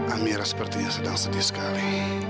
amira sepertinya sedang sedih sekali